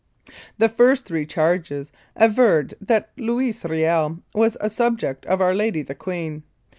The first three charges averred that Louis Kiel was "A subject of our Lady the Queen."